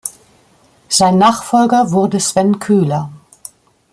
Sein Nachfolger wurde Sven Köhler.